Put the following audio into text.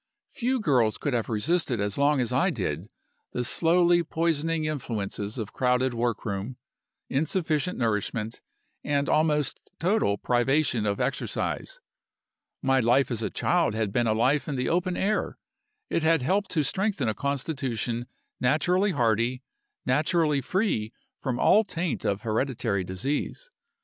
Few girls could have resisted as long as I did the slowly poisoning influences of crowded work room, insufficient nourishment, and almost total privation of exercise. My life as a child had been a life in the open air: it had helped to strengthen a constitution naturally hardy, naturally free from all taint of hereditary disease.